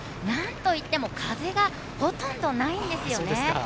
何と言っても風がほとんどないんですよね。